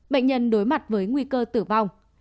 bệnh nhân đối mặt với nguy cơ tử vong